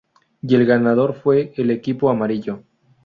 Y el ganador fue el Equipo Amarillo.